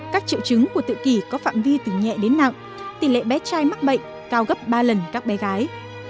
các triệu chứng của tự kỷ có phạm vi từ nhẹ đến nặng tỷ lệ bé trai mắc bệnh cao gấp ba lần các bé gái